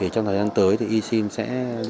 trong thời gian tới e sim sẽ rất phổ biến